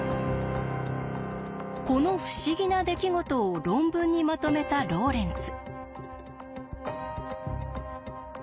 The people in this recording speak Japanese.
この不思議な出来事を論文にまとめたローレンツ。